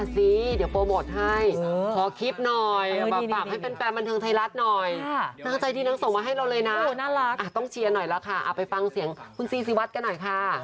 อ๋อซิเดี๋ยวโปรโมทให้ขอคลิปหน่อยแบบสรรค์ให้เป็นแปดบันเทิงไทยรัฐหน่อย